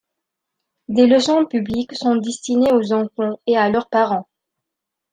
Des leçons publiques sont destinées aux enfants et à leurs parents.